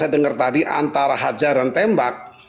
saya dengar tadi antara hajar dan tembak